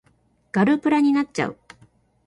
ガルプラになっちゃう